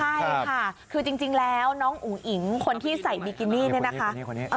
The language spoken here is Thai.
ใช่ค่ะคือจริงแล้วน้องอุ๋งอิ๋งคนที่ใส่บิกินี่เนี่ยนะคะ